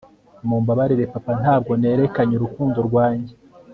mumbabarire papa, ntabwo nerekanye urukundo rwanjye